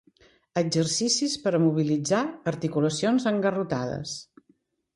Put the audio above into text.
Exercicis per a mobilitzar articulacions engarrotades.